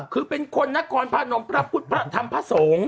คือเป็นคนนครพนมพระพุทธพระธรรมพระสงฆ์